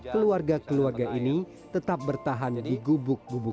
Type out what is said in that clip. keluarga keluarga ini tetap bertahan di gubuk gubuk